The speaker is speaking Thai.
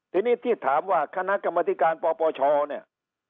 ทีนี้ที่ถามว่าคณะกรรมธิการปปชเนี่ย